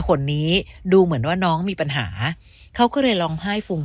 คนนี้ดูเหมือนว่าน้องมีปัญหาเขาก็เลยร้องไห้ฟูม